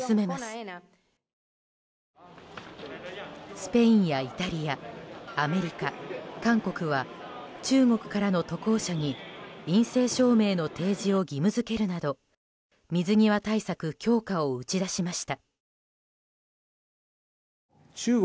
スペインやイタリアアメリカ、韓国は中国からの渡航者に陰性証明の提示を義務付けるなど水際対策強化を打ち出しました。